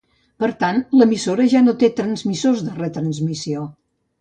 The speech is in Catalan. Per tant, l'emissora ja no té transmissors de retransmissió.